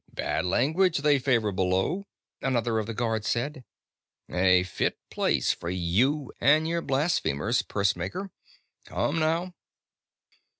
"Bad language they favor below," another of the guards said. "A fit place for you and your blasphemers, pursemaker. Come now."